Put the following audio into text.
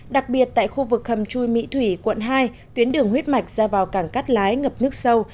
đặc biệt tại khu vực hầm chui mỹ thủy quận hai tuyến đường huyết mạch ra vào cảng cắt lái ngập nước sâu